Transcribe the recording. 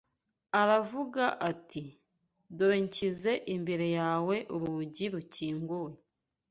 Aravuga ati: “Dore nshyize imbere yawe urugi rukinguye